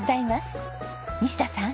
西田さん。